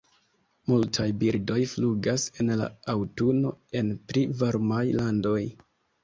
Multaj birdoj flugas en la aŭtuno en pli varmajn landojn.